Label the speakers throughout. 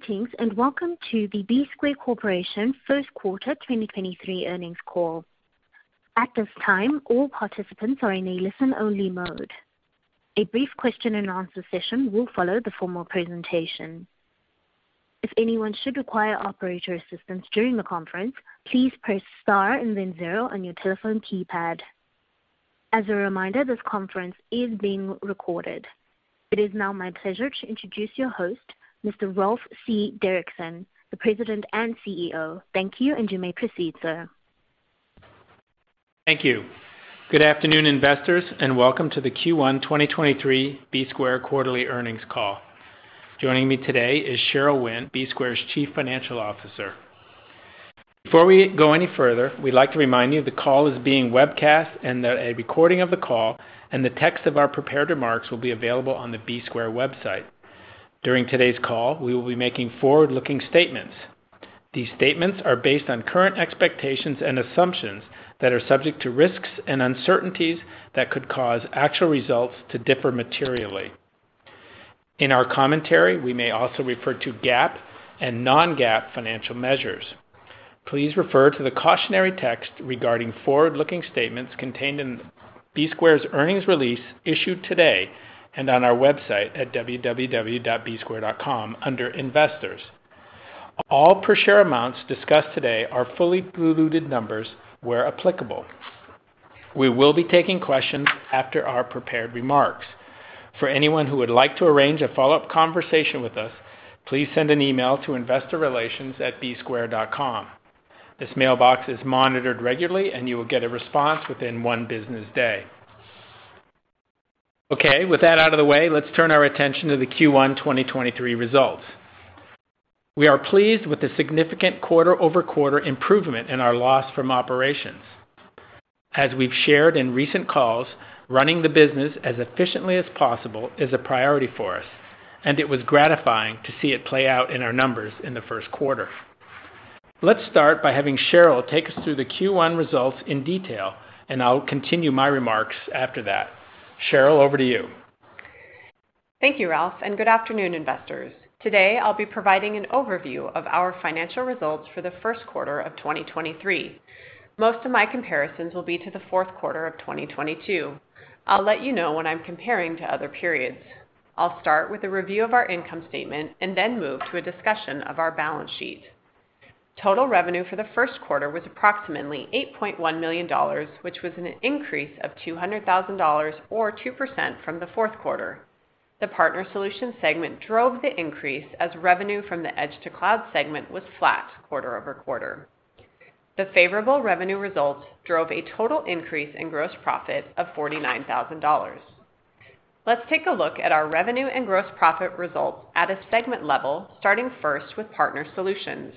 Speaker 1: Greetings, welcome to the Bsquare Corporation Q1 2023 earnings call. At this time, all participants are in a listen-only mode. A brief question-and-answer session will follow the formal presentation. If anyone should require operator assistance during the conference, please press star and then zero on your telephone keypad. As a reminder, this conference is being recorded. It is now my pleasure to introduce your host, Mr. Ralph C. Derrickson, the President and CEO. Thank you may proceed, sir.
Speaker 2: Thank you. Good afternoon, investors, welcome to the Q1 2023 Bsquare quarterly earnings call. Joining me today is Cheryl Wynne, Bsquare's Chief Financial Officer. Before we go any further, we'd like to remind you the call is being webcast and that a recording of the call and the text of our prepared remarks will be available on the Bsquare website. During today's call, we will be making forward-looking statements. These statements are based on current expectations and assumptions that are subject to risks and uncertainties that could cause actual results to differ materially. In our commentary, we may also refer to GAAP and non-GAAP financial measures. Please refer to the cautionary text regarding forward-looking statements contained in Bsquare's earnings release issued today and on our website at www.bsquare.com under Investors. All per share amounts discussed today are fully diluted numbers where applicable. We will be taking questions after our prepared remarks. For anyone who would like to arrange a follow-up conversation with us, please send an email to investorrelations@bsquare.com. This mailbox is monitored regularly and you will get a response within one business day. Okay, with that out of the way, let's turn our attention to the Q1 2023 results. We are pleased with the significant quarter-over-quarter improvement in our loss from operations. As we've shared in recent calls, running the business as efficiently as possible is a priority for us, and it was gratifying to see it play out in our numbers in the Q1. Let's start by having Cheryl take us through the Q1 results in detail, and I'll continue my remarks after that. Cheryl, over to you.
Speaker 3: Thank you, Ralph, and good afternoon, investors. Today, I'll be providing an overview of our financial results for the Q1 of 2023. Most of my comparisons will be to the Q4 of 2022. I'll let you know when I'm comparing to other periods. I'll start with a review of our income statement and then move to a discussion of our balance sheet. Total revenue for the Q1 was approximately $8.1 million, which was an increase of $200,000 or 2% from the Q4. The Partner Solutions segment drove the increase as revenue from the Edge to Cloud segment was flat quarter-over-quarter. The favorable revenue results drove a total increase in gross profit of $49,000. Let's take a look at our revenue and gross profit results at a segment level, starting first with Partner Solutions.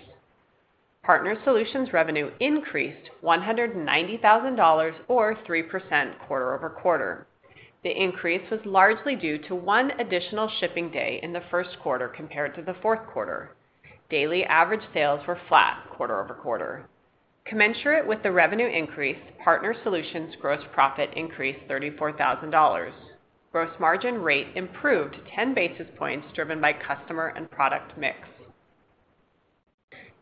Speaker 3: Partner Solutions revenue increased $190,000 or 3% quarter-over-quarter. The increase was largely due to one additional shipping day in the Q1 compared to the Q4. Daily average sales were flat quarter-over-quarter. Commensurate with the revenue increase, Partner Solutions gross profit increased $34,000. Gross margin rate improved 10 basis points driven by customer and product mix.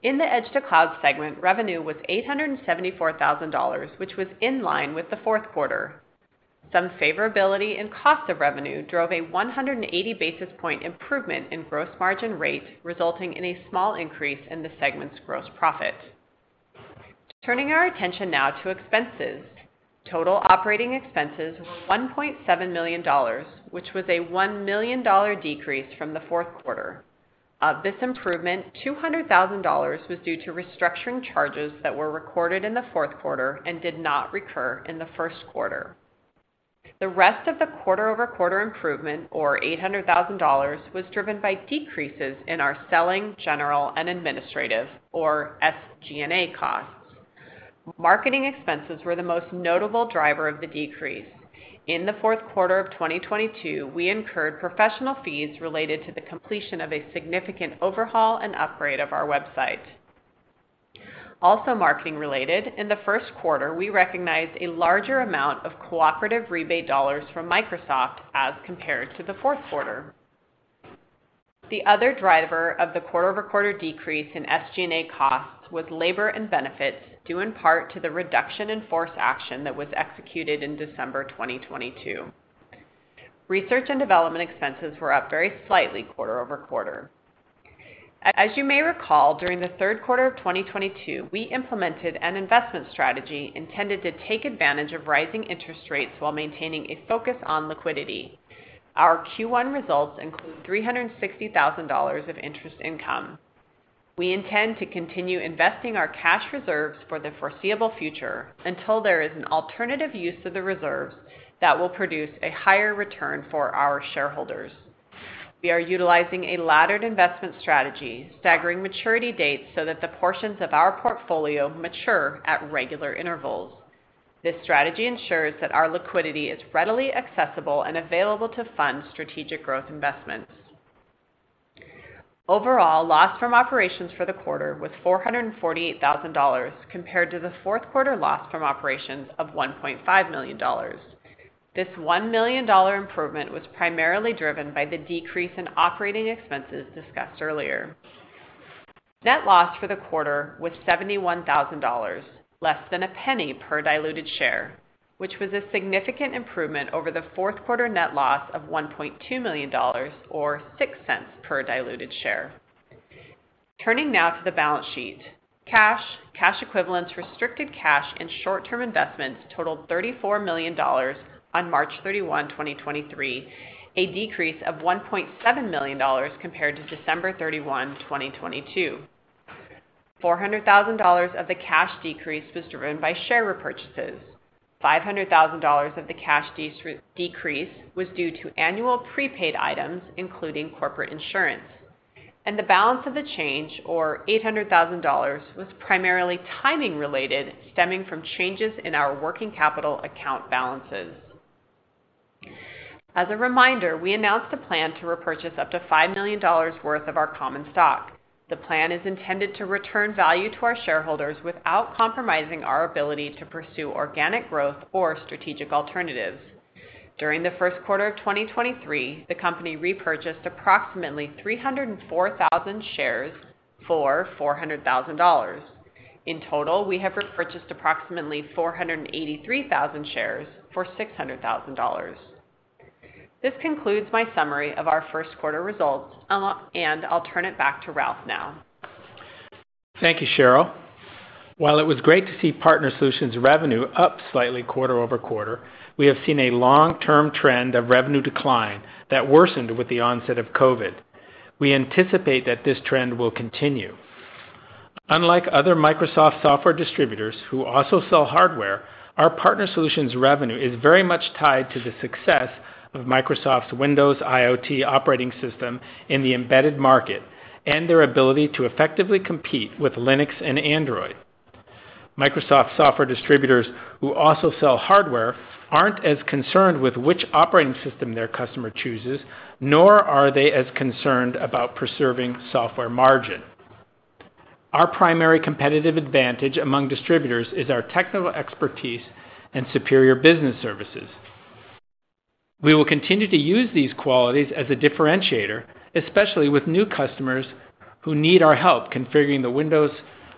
Speaker 3: In the Edge to Cloud segment, revenue was $874,000, which was in line with the Q4. Some favorability in cost of revenue drove a 180 basis point improvement in gross margin rate, resulting in a small increase in the segment's gross profit. Turning our attention now to expenses. Total operating expenses were $1.7 million, which was a $1 million decrease from the Q4. Of this improvement, $200,000 was due to restructuring charges that were recorded in the Q4 and did not recur in the Q1. The rest of the quarter-over-quarter improvement or $800,000 was driven by decreases in our selling, general, and administrative or SG&A costs. Marketing expenses were the most notable driver of the decrease. In the Q4 of 2022, we incurred professional fees related to the completion of a significant overhaul and upgrade of our website. Marketing related, in the Q1, we recognized a larger amount of cooperative rebate dollars from Microsoft as compared to the Q4. The other driver of the quarter-over-quarter decrease in SG&A costs was labor and benefits due in part to the reduction in force action that was executed in December 2022. Research and development expenses were up very slightly quarter-over-quarter. As you may recall, during the third quarter of 2022, we implemented an investment strategy intended to take advantage of rising interest rates while maintaining a focus on liquidity. Our Q1 results include $360,000 of interest income. We intend to continue investing our cash reserves for the foreseeable future until there is an alternative use of the reserves that will produce a higher return for our shareholders. We are utilizing a laddered investment strategy, staggering maturity dates so that the portions of our portfolio mature at regular intervals. This strategy ensures that our liquidity is readily accessible and available to fund strategic growth investments. Overall, loss from operations for the quarter was $448,000 compared to the Q4 loss from operations of $1.5 million. This $1 million improvement was primarily driven by the decrease in operating expenses discussed earlier. Net loss for the quarter was $71,000, less than a penny per diluted share, which was a significant improvement over the Q4 net loss of $1.2 million or $0.06 per diluted share. Turning now to the balance sheet. Cash, cash equivalents, restricted cash and short-term investments totaled $34 million on March 31, 2023, a decrease of $1.7 million compared to December 31, 2022. $400,000 of the cash decrease was driven by share repurchases. $500,000 of the cash decrease was due to annual prepaid items, including corporate insurance. The balance of the change, or $800,000, was primarily timing related, stemming from changes in our working capital account balances. As a reminder, we announced a plan to repurchase up to $5 million worth of our common stock. The plan is intended to return value to our shareholders without compromising our ability to pursue organic growth or strategic alternatives. During the Q1 of 2023, the company repurchased approximately 304,000 shares for $400,000. In total, we have repurchased approximately 483,000 shares for $600,000. This concludes my summary of our Q1 results, and I'll turn it back to Ralph now.
Speaker 2: Thank you, Cheryl. While it was great to see Partner Solutions revenue up slightly quarter-over-quarter, we have seen a long-term trend of revenue decline that worsened with the onset of COVID. We anticipate that this trend will continue. Unlike other Microsoft software distributors who also sell hardware, our Partner Solutions revenue is very much tied to the success of Microsoft's Windows IoT operating system in the embedded market and their ability to effectively compete with Linux and Android. Microsoft software distributors who also sell hardware aren't as concerned with which operating system their customer chooses, nor are they as concerned about preserving software margin. Our primary competitive advantage among distributors is our technical expertise and superior business services. We will continue to use these qualities as a differentiator, especially with new customers who need our help configuring the Windows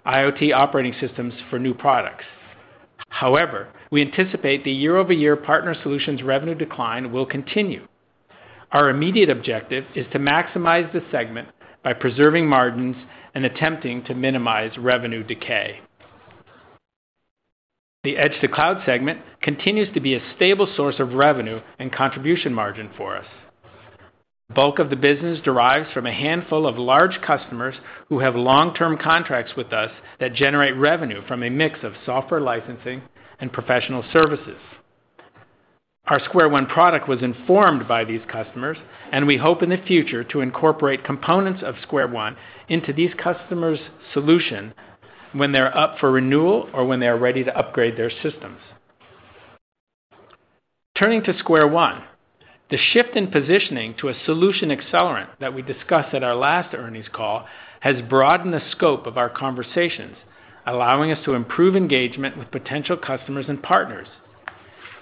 Speaker 2: IoT operating systems for new products. We anticipate the year-over-year Partner Solutions revenue decline will continue. Our immediate objective is to maximize the segment by preserving margins and attempting to minimize revenue decay. The Edge to Cloud segment continues to be a stable source of revenue and contribution margin for us. The bulk of the business derives from a handful of large customers who have long-term contracts with us that generate revenue from a mix of software licensing and professional services. Our SquareOne product was informed by these customers, and we hope in the future to incorporate components of SquareOne into these customers' solution when they're up for renewal or when they're ready to upgrade their systems. Turning to SquareOne, the shift in positioning to a solution accelerant that we discussed at our last earnings call has broadened the scope of our conversations, allowing us to improve engagement with potential customers and partners.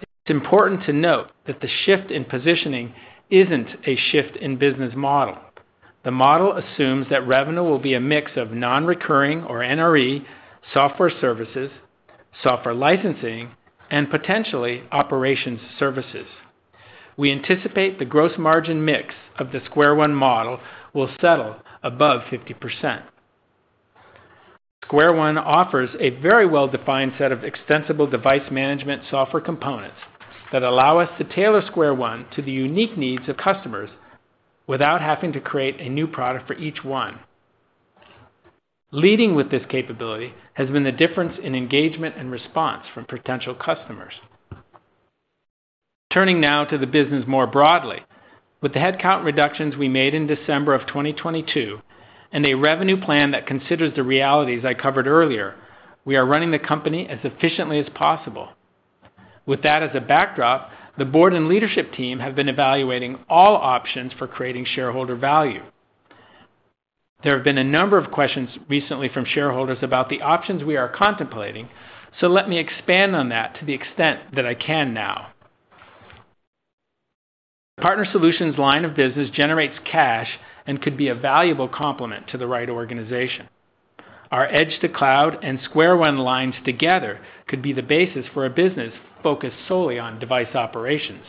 Speaker 2: It's important to note that the shift in positioning isn't a shift in business model. The model assumes that revenue will be a mix of non-recurring or NRE software services, software licensing, and potentially operations services. We anticipate the gross margin mix of the SquareOne model will settle above 50%. SquareOne offers a very well-defined set of extensible device management software components that allow us to tailor SquareOne to the unique needs of customers without having to create a new product for each one. Leading with this capability has been the difference in engagement and response from potential customers. Turning now to the business more broadly. With the headcount reductions we made in December of 2022 and a revenue plan that considers the realities I covered earlier, we are running the company as efficiently as possible. With that as a backdrop, the board and leadership team have been evaluating all options for creating shareholder value. There have been a number of questions recently from shareholders about the options we are contemplating, so let me expand on that to the extent that I can now. Partner Solutions line of business generates cash and could be a valuable complement to the right organization. Our Edge to Cloud and SquareOne lines together could be the basis for a business focused solely on device operations.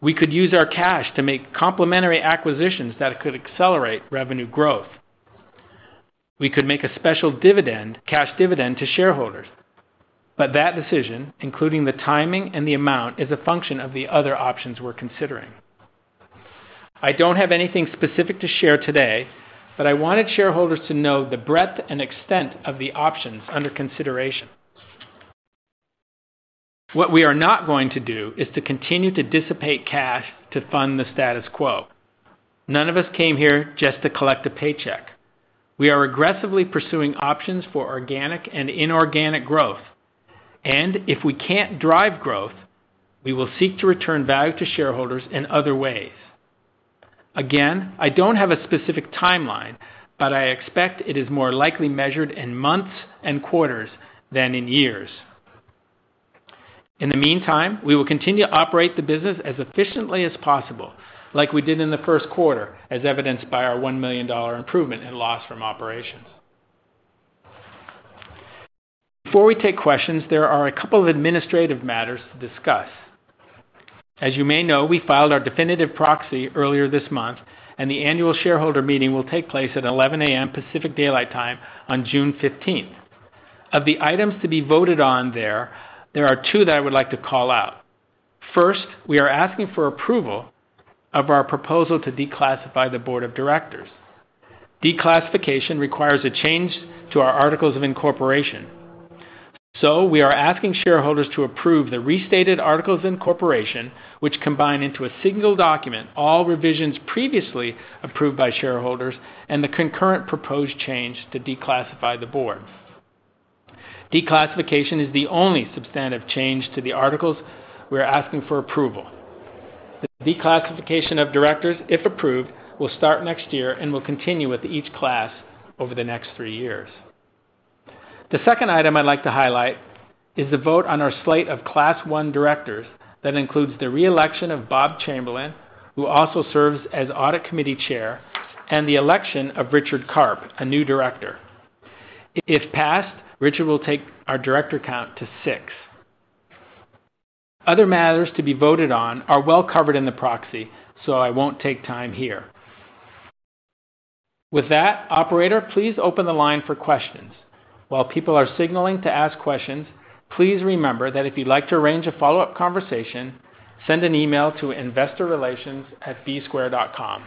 Speaker 2: We could use our cash to make complementary acquisitions that could accelerate revenue growth. We could make a special dividend, cash dividend to shareholders, but that decision, including the timing and the amount, is a function of the other options we're considering. I don't have anything specific to share today, but I wanted shareholders to know the breadth and extent of the options under consideration. What we are not going to do is to continue to dissipate cash to fund the status quo. None of us came here just to collect a paycheck. We are aggressively pursuing options for organic and inorganic growth. If we can't drive growth, we will seek to return value to shareholders in other ways. Again, I don't have a specific timeline, but I expect it is more likely measured in months and quarters than in years. In the meantime, we will continue to operate the business as efficiently as possible, like we did in the Q1, as evidenced by our $1 million improvement in loss from operations. Before we take questions, there are a couple of administrative matters to discuss. As you may know, we filed our definitive proxy earlier this month and the annual shareholder meeting will take place at 11:00 A.M. Pacific Daylight Time on June 15th. Of the items to be voted on there are two that I would like to call out. First, we are asking for approval of our proposal to declassify the board of directors. Declassification requires a change to our articles of incorporation. We are asking shareholders to approve the restated articles of incorporation, which combine into a single document, all revisions previously approved by shareholders and the concurrent proposed change to declassify the board. Declassification is the only substantive change to the articles we are asking for approval. The declassification of directors, if approved, will start next year and will continue with each class over the next three years. The second item I'd like to highlight is the vote on our slate of Class I directors. That includes the re-election of Bob Chamberlain, who also serves as Audit Committee Chair, and the election of Richard Karp, a new director. If passed, Richard will take our director Count-to-6. Other matters to be voted on are well covered in the proxy. I won't take time here. With that, operator, please open the line for questions. While people are signaling to ask questions, please remember that if you'd like to arrange a follow-up conversation, send an email to investorrelations@bsquare.com.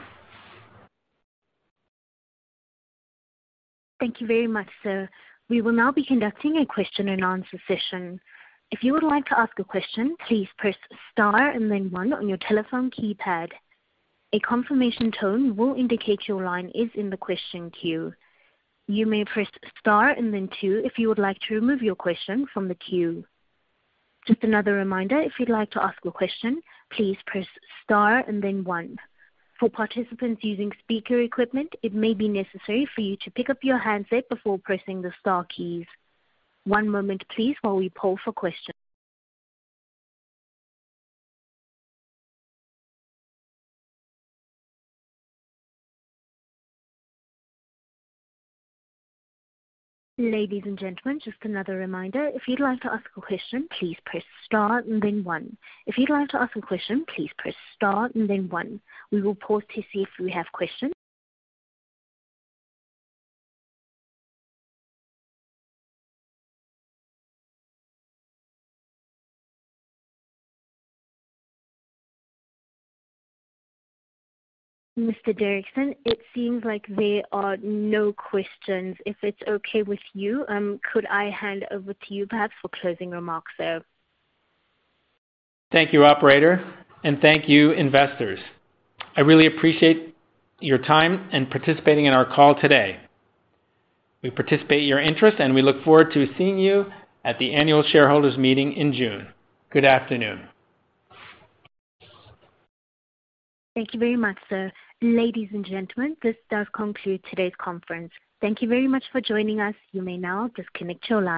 Speaker 1: Thank you very much, sir. We will now be conducting a question-and-answer session. If you would like to ask a question, please press star and then one on your telephone keypad. A confirmation tone will indicate your line is in the question queue. You may press Star and then two if you would like to remove your question from the queue. Just another reminder, if you'd like to ask a question, please press Star and then one. For participants using speaker equipment, it may be necessary for you to pick up your handset before pressing the Star keys. One moment please while we pull for questions. Ladies and gentlemen, just another reminder, if you'd like to ask a question, please press star and then one. If you'd like to ask a question, please press star and then one. We will pause to see if we have questions. Mr. Derrickson, it seems like there are no questions. If it's okay with you, could I hand over to you, for closing remarks, sir?
Speaker 2: Thank you, operator. Thank you, investors. I really appreciate your time in participating in our call today. We participate your interest. We look forward to seeing you at the annual shareholders meeting in June. Good afternoon.
Speaker 1: Thank you very much, sir. Ladies and gentlemen, this does conclude today's conference. Thank you very much for joining us. You may now disconnect your line.